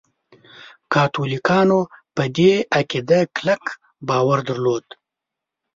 کاتولیکانو په دې عقیده کلک باور درلود.